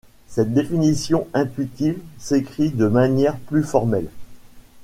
Cette définition intuitive s'écrit de manière plus formelle.